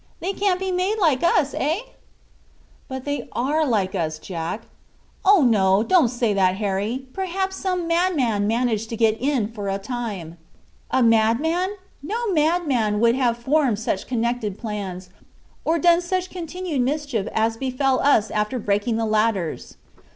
they can't be made like us, eh?" "But they are just like us, Jack." "Oh, no! don't say that, Harry! Perhaps some madman managed to get in for a time." "A madman! No madman would have formed such connected plans, or done such continued mischief as befell us after the breaking of the ladders."